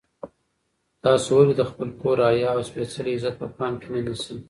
تاسو ولې د خپل کور حیا او سپېڅلی عزت په پام کې نه نیسئ؟